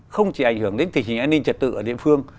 không chỉ ảnh hưởng đến tình hình an ninh trật tự ở địa phương